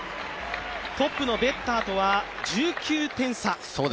トップのベッターとは１９点差。